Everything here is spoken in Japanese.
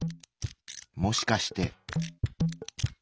もしかして。